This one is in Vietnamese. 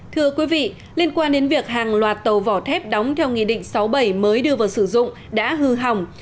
thưa quý vị liên quan đến việc hàng loạt tàu vỏ thép đóng theo nghị định sáu mươi bảy mới đưa vào sử dụng đã hư hỏng